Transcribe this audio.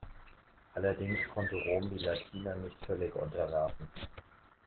Allerdings konnte Rom die Latiner nicht völlig unterwerfen.